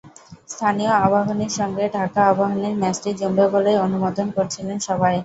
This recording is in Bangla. স্থানীয় আবাহনীর সঙ্গে ঢাকা আবাহনীর ম্যাচটি জমবে বলেই অনুমান করছিলেন সবাই।